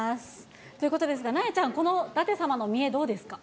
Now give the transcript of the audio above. ということですが、なえちゃん、舘様の見得、どうですか。